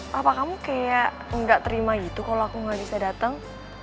papa kamu kayak nggak terima gitu kalau aku nggak bisa datang